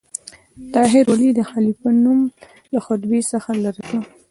طاهر ولې د خلیفه نوم له خطبې څخه لرې کړ؟